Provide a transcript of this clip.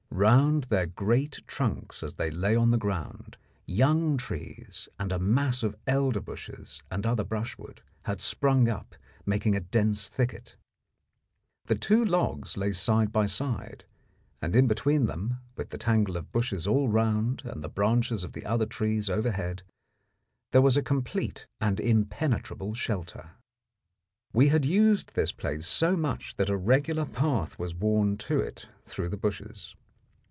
Round their great trunks as they lay on the ground, young trees and a mass of elder bushes and other brushwood had sprung up, making a dense thicket. The two logs lay side by side, and in between them, with the tangle of bushes all round and the branches of the other trees overhead, there was a complete and impenetrable shelter. We had used this place so much that a regular path was worn to it through the bushes.